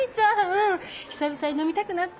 うん久々に飲みたくなって。